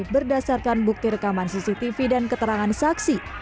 berdasarkan bukti rekaman cctv dan keterangan saksi